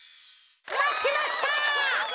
まってました。